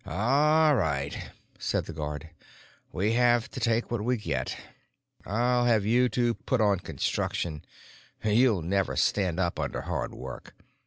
"All right," said the guard, "we have to take what we get. I'll have to put you two on construction; you'll never stand up under hard work.